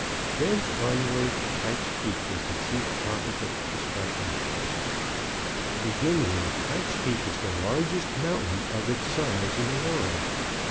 Thence onward Pike's Peak was the chief topic of discussion. To begin with, Pike's Peak is the largest mountain of its size in the world.